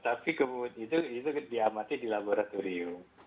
tapi kemudian itu diamati di laboratorium